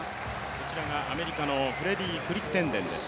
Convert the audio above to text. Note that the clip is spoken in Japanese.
こちらがアメリカのフレディー・クリッテンデンです。